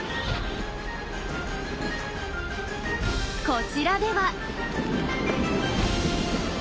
こちらでは。